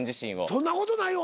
そんなことないよ。